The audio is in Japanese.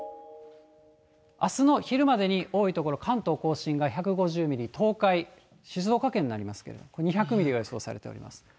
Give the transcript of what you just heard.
あすの昼までに多い所、関東甲信が１５０ミリ、東海、静岡県になりますけど、２００ミリを予想されております。